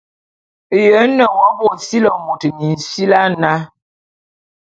Ye nne w'abo ô sili'i môt minsili ana?